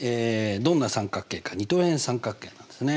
どんな三角形か二等辺三角形なんですね。